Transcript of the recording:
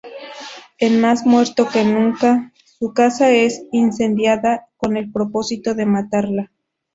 En "Más muerto que nunca", su casa es incendiada con el propósito de matarla.